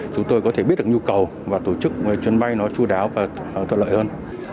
chúng tôi có thể biết được nhu cầu và tổ chức chuyến bay nó chú đáo và thuận lợi hơn